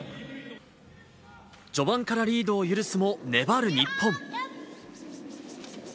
序盤からリードを許すも、粘る日本。